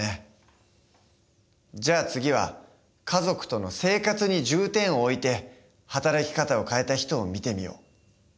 じゃあ次は家族との生活に重点を置いて働き方を変えた人を見てみよう。